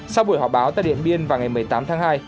sau buổi họp báo tại điện biên vào ngày một mươi tám tháng hai